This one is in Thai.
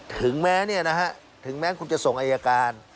ถึงแม้ถึงแม้คุณจะส่งอายการ